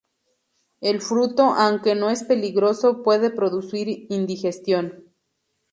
El fruto, aunque no es peligroso, puede producir indigestión.